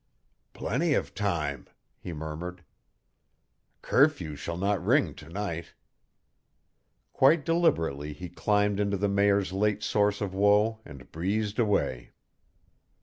"Plenty of time," he murmured. "Curfew shall not ring to night." Quite deliberately he climbed into the Mayor's late source of woe and breezed away.